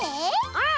うん！